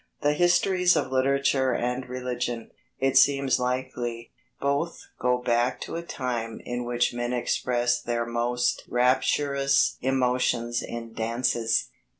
The histories of literature and religion, it seems likely, both go back to a time in which men expressed their most rapturous emotions in dances.